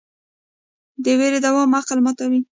د ویرې دوام عقل ماتوي.